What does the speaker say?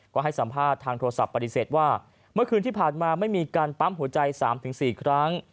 ก็ให้สัมภาษณ์ทางโทรศัพท์ปฏิเสธว่าเมื่อคืนที่ผ่านมาไม่มีการปั๊มหัวใจ๓๔ครั้ง